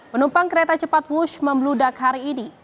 penumpang kereta cepat bus membeludak hari ini